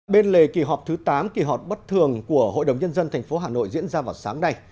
bên lề kỳ họp thứ tám kỳ họp bất thường của hội đồng nhân dân tp hà nội diễn ra vào sáng nay